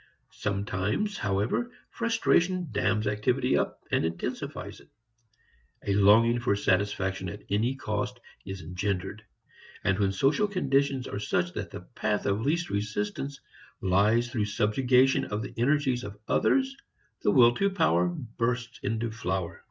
Sometimes however frustration dams activity up, and intensifies it. A longing for satisfaction at any cost is engendered. And when social conditions are such that the path of least resistance lies through subjugation of the energies of others, the will to power bursts into flower.